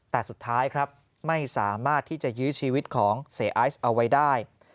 แต่สุดท้ายครับไม่สามารถที่จะยื้อชีวิตของเสียไอซ์เอาไว้ได้